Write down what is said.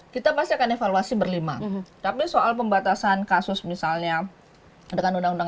kita pasti akan evaluasi berlima tapi soal pembatasan kasus misalnya dengan undang undang